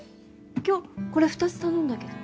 今日これ２つ頼んだけど。